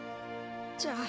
じゃあ。